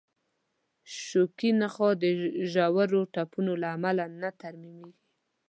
شوکي نخاع د ژورو ټپونو له امله نه ترمیمېږي.